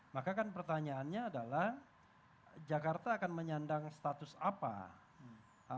maka kan pertanyaannya adalah jakarta akan menyandang status apa